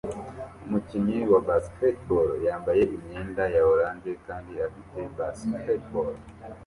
Umukinnyi wa basketball yambaye imyenda ya orange kandi afite basketball